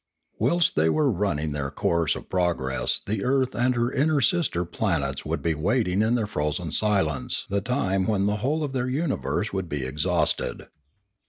Whilst they were run ning their course of progress the earth and her inner sister planets would be waiting in their frozen silence the time when the whole of their universe would be exhausted.